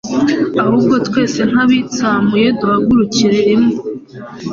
Ahubwo twese nk’abitsamuye duhagurukire rimwe